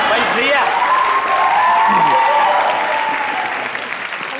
เฮ้ยไปอีกนิดนึง